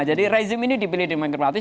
jadi rezim ini dipilih di manggel gratis